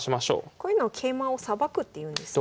こういうのを桂馬をさばくっていうんですね。